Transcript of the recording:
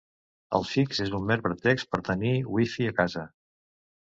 El fix és un mer pretext per tenir wifi a casa.